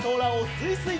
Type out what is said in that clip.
すいすい！